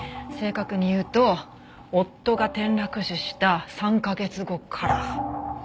正確に言うと夫が転落死した３カ月後から。